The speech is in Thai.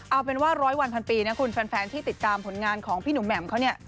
เอาเป็นว่าร้อยวันพันปีนะคุณแฟนที่ติดตามผลงานของพี่หนุ่มแหม่มเขาเนี่ย